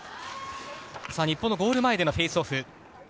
日本のゴール前でのフェイスオフ。